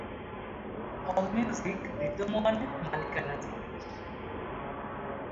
All music rhythm ওয়ানের মালিকানাধীন।